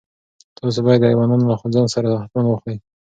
تاسو باید ایوانان له ځان سره حتماً واخلئ.